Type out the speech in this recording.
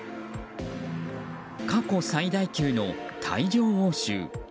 過去最大級の大量押収。